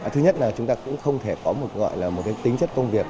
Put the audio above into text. thứ nhất là chúng ta cũng không thể có một tính chất công việc